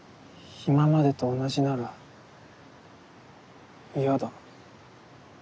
今までと同じなら嫌だ。